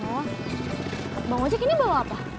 oh bang ojak ini bawa apa